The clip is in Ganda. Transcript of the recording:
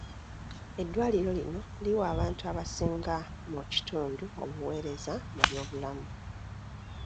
Eddwaliro lino liwa abantu abasinga mu kitundu obuweereza mu byobulamu.